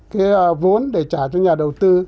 cái vốn để trả cho nhà đầu tư